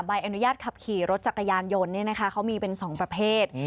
ใบอนุญาตขับขี่รถจักรยานโยนเนี่ยนะคะเขามีเป็นสองประเภท